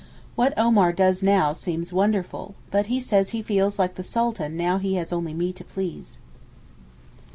What Omar does now seems wonderful, but he says he feels like the Sultan now he has only me to please.